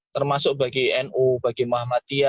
termasuk bagi inu bagi mahfuz